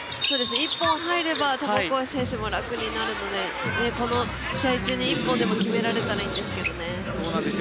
一本入れば、オコエ選手も楽になるのでこの試合中に１本でも決められたらいいんですけどね。